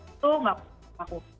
itu gak aku